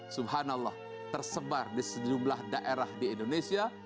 subhanallah tersebar di sejumlah daerah di indonesia